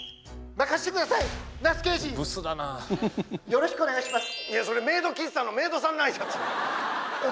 よろしくお願いします！